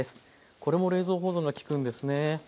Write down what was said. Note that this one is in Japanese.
これも冷蔵保存が利くんですね。